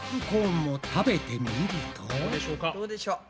どうでしょうか？